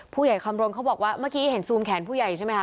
คำรณเขาบอกว่าเมื่อกี้เห็นซูมแขนผู้ใหญ่ใช่ไหมคะ